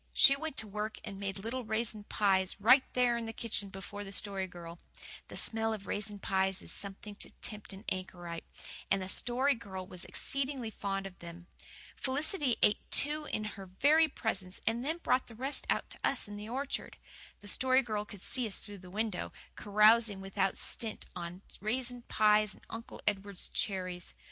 She went to work and made little raisin pies, right there in the kitchen before the Story Girl. The smell of raisin pies is something to tempt an anchorite; and the Story Girl was exceedingly fond of them. Felicity ate two in her very presence, and then brought the rest out to us in the orchard. The Story Girl could see us through the window, carousing without stint on raisin pies and Uncle Edward's cherries.